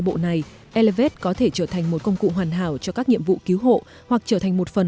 bộ này elevez có thể trở thành một công cụ hoàn hảo cho các nhiệm vụ cứu hộ hoặc trở thành một phần